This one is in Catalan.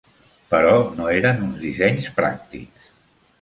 Però no eren uns dissenys pràctics.